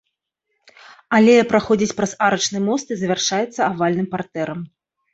Алея праходзіць праз арачны мост і завяршаецца авальным партэрам.